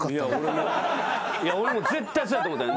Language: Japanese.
俺も絶対そうやと思った。